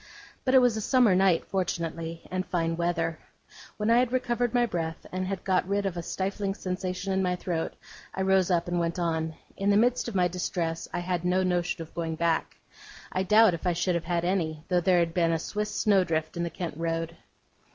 But it was a summer night, fortunately, and fine weather. When I had recovered my breath, and had got rid of a stifling sensation in my throat, I rose up and went on. In the midst of my distress, I had no notion of going back. I doubt if I should have had any, though there had been a Swiss snow drift in the Kent Road.